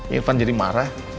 irfan jadi marah